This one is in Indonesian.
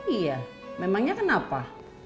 iya memangnya kenapa